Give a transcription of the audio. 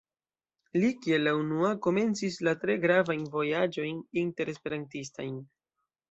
Li kiel la unua komencis la tre gravajn vojaĝojn inter-Esperantistajn.